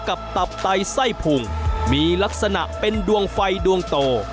หัวกับตับใต้ไส้พุ่งมีลักษณะเป็นดวงไฟดวงโต